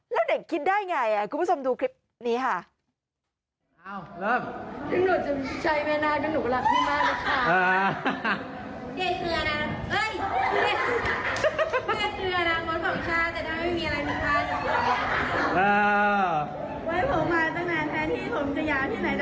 แล้วเด็กคิดได้ไงคุณผู้ชมดูคลิปนี้ค่ะ